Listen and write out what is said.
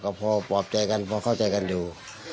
ก็พอปลอบใจกันพอเข้าใจกันอยู่